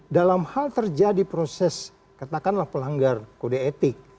dalam hal terjadi proses katakanlah pelanggar kode etik